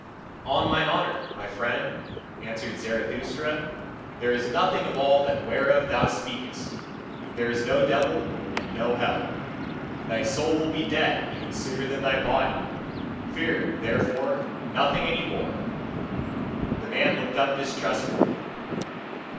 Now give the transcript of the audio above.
"On mine honour, my friend," answered Zarathustra, "there is nothing of all that whereof thou speakest: there is no devil and no hell. Thy soul will be dead even sooner than thy body: fear, therefore, nothing any more!" The man looked up distrustfully.